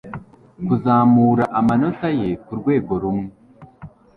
kuzamura amanota ye kurwego rumwe